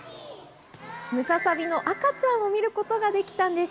ムササビの赤ちゃんを見ることができたんです！